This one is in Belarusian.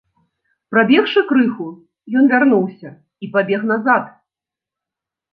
Прабегшы крыху, ён вярнуўся і пабег назад.